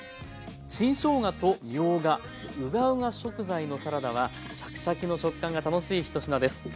新しょうがとみょうがうがうが食材のサラダはシャキシャキの食感が楽しい１品です。